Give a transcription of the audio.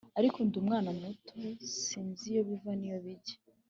ariko ndi umwana muto sinzi iyo biva n’iyo bijya